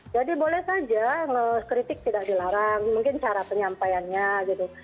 jadi boleh saja kritik tidak dilarang mungkin cara penyampaiannya gitu